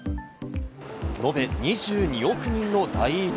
のべ２２億人の大移動。